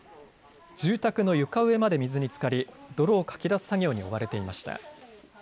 住宅の床上まで水につかり、泥をかき出す作業に追われていました。